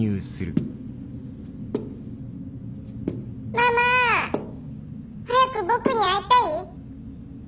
「ママ早く僕に会いたい？」。